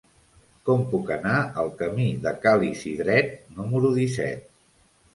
Com puc anar al camí de Ca l'Isidret número disset?